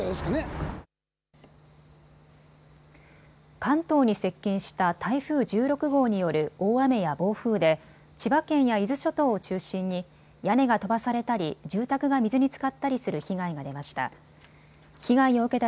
関東に接近した台風１６号による大雨や暴風で千葉県や伊豆諸島を中心に屋根が飛ばされたり住宅が水につかったりする被害が出ました。